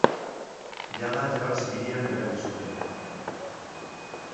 Jada Gerra Zibilean erabili zuten.